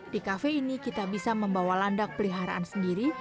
di kafe ini kita bisa membawa landak peliharaan sendiri